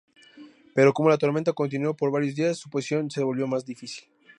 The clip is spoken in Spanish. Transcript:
Pero, como la tormenta continuó por varios días, su posición se volvió más difícil.